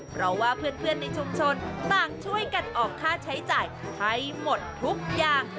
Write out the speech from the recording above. เพราะว่าเพื่อนในชุมชนต่างช่วยกันออกค่าใช้จ่ายให้หมดทุกอย่าง